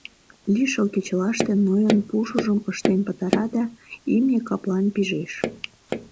Лишыл кечылаште Нойын пушыжым ыштен пытара да имне каплан пижеш.